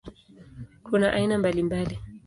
Kuna aina mbalimbali.